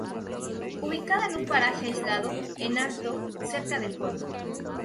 Ubicada en un paraje aislado, en alto, cerca del pueblo.